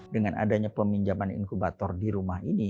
dengan adanya peminjaman inkubator di rumah ini